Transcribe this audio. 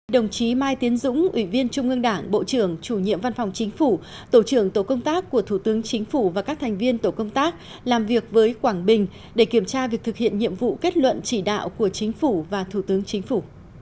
đồng chí mai tiến dũng ủy viên trung ương đảng bộ trưởng chủ nhiệm văn phòng chính phủ tổ trưởng tổ công tác của thủ tướng chính phủ và các thành viên tổ công tác làm việc với quảng bình để kiểm tra việc thực hiện nhiệm vụ kết luận chỉ đạo của chính phủ và thủ tướng chính phủ